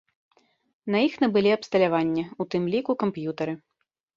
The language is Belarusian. На іх набылі абсталяванне, у тым ліку камп'ютары.